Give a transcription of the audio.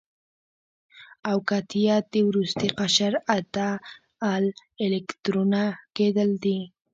اوکتیت د وروستي قشر اته ال الکترونه کیدل دي.